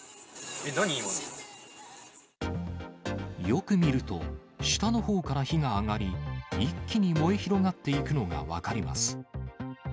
よく見ると、下のほうから火が上がり、一気に燃え広がっていくのが分かります。